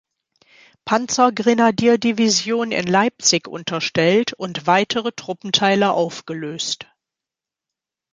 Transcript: Panzergrenadierdivision in Leipzig unterstellt und weitere Truppenteile aufgelöst.